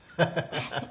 ハハハ。